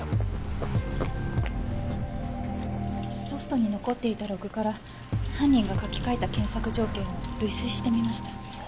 ソフトに残っていたログから犯人が書き換えた検索条件を類推してみました。